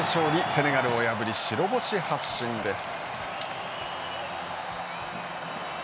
セネガルを破り白星発進です。